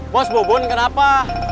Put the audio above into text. bos bubun kenapa